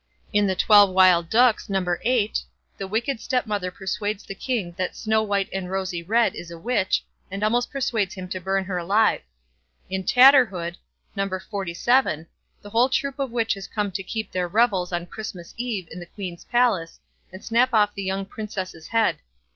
In the "Twelve Wild Ducks", No. viii, the wicked stepmother persuades the king that Snow white and Rosy red is a witch, and almost persuades him to burn her alive. In "Tatterhood", No. xlvii, a whole troop of witches come to keep their revels on Christmas eve in the Queen's Palace, and snap off the young Princess's head.